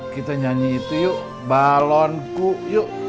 kita nyanyi itu yuk balonku yuk